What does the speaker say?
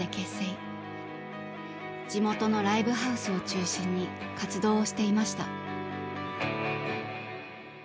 地元のライブハウスを中心に活動をしていました。